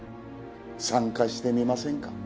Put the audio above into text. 参加してみませんか？